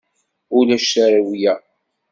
Ulac tarewla.